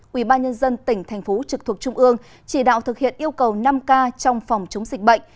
quỹ ba nhân dân tỉnh thành phố trực thuộc trung ương chỉ đạo thực hiện yêu cầu năm k trong phòng chống dịch bệnh